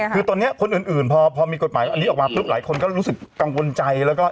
คือตอนนี้คนอื่นพอมีกฎหมายอันนี้ออกมาปุ๊บหลายคนก็รู้สึกกังวลใจแล้วก็